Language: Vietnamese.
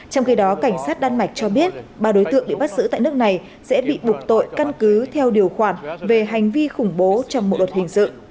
trong khi đó cảnh sát đan mạch cho biết ba đối tượng bị bắt giữ tại nước này sẽ bị buộc tội căn cứ theo điều khoản về hành vi khủng bố trong một đột hình sự